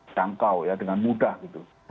jangkau ya dengan mudah gitu